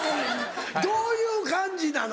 どういう感じなの？